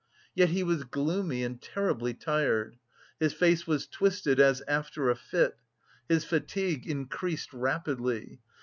Yet he was gloomy and terribly tired. His face was twisted as after a fit. His fatigue increased rapidly.